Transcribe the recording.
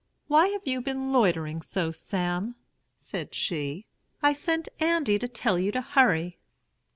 'Why have you been loitering so, Sam?' said she. 'I sent Andy to tell you to hurry.'